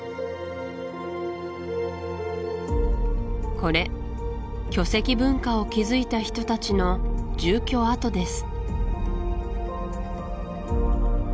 これ巨石文化を築いた人たちの住居跡です